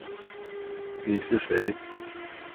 落霞与孤鹜齐飞，秋水与长天共一色。